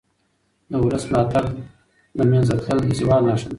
د ولس ملاتړ له منځه تلل د زوال نښه ده